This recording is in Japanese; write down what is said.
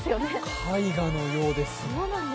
絵画のようです。